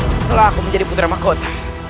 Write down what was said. setelah aku menjadi putra mahkota